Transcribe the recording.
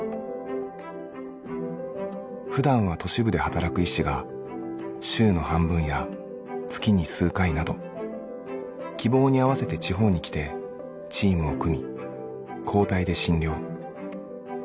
普段は都市部で働く医師が週の半分や月に数回など希望に合わせて地方に来てチームを組み交代で診療。